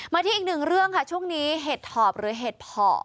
ที่อีกหนึ่งเรื่องค่ะช่วงนี้เห็ดถอบหรือเห็ดเพาะ